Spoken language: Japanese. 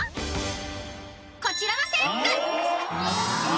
［こちらの制服］